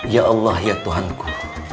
ya'allah ya' tuhan ku